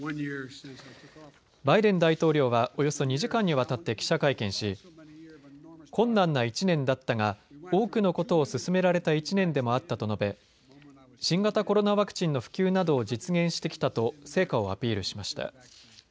バイデン大統領はおよそ２時間にわたって記者会見し困難な１年だったが多くのことを進められた１年でもあったと述べ新型コロナワクチンの普及などを実現してきたと成果をアピールしました。